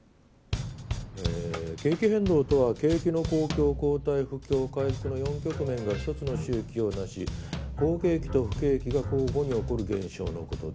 えー「景気変動とは景気の好況後退不況回復の４局面がひとつの周期を成し好景気と不景気が交互に起こる現象のことである」。